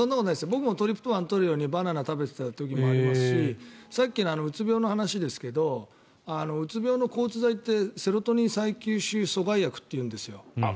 僕もトリプトファンを取るためにバナナを食べていた時ありますしさっきのうつ病の話ですけどうつ病の抗うつ剤ってセロトニン再吸収阻害薬っていうんですよ。